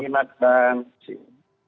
terima kasih inad dan sih